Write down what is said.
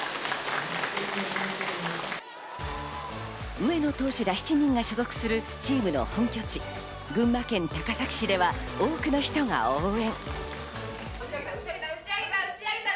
上野投手ら７人が所属するチームの本拠地、群馬県高崎市では多くの人が応援。